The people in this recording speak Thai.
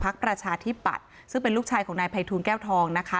ประชาธิปัตย์ซึ่งเป็นลูกชายของนายภัยทูลแก้วทองนะคะ